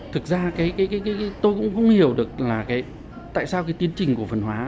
thực ra tôi cũng không hiểu được là tại sao cái tiến trình cổ phân hóa